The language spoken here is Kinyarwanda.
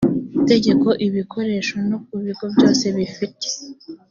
tegeko ibukoresha no ku bigo byose bifite